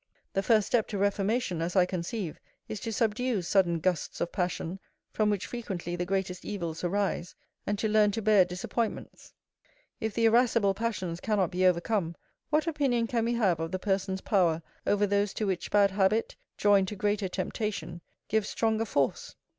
The first step to reformation, as I conceive, is to subdue sudden gusts of passion, from which frequently the greatest evils arise, and to learn to bear disappointments. If the irascible passions cannot be overcome, what opinion can we have of the person's power over those to which bad habit, joined to greater temptation, gives stronger force?